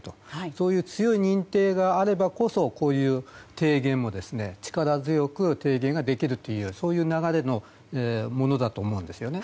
そういう強い認定があればこそこういう提言も力強く提言ができるという流れのものだと思うんですね。